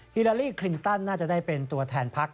ฮิลาลีคลินตันน่าจะได้เป็นตัวแทนพัก